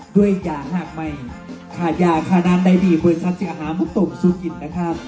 ด้วยยาหากใหม่ขาดยาขนาดได้ดีเมื่อชัดสิกหามาตกสู้กินนะครับ